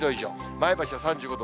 前橋は３５度。